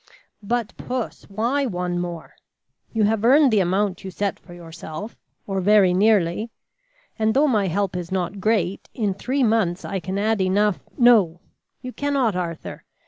"But, Puss, why one more? You have earned the amount you set for yourself, or very nearly, and though my help is not great, in three months I can add enough " "No, you cannot, Arthur.